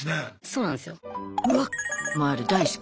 そうなんすよ。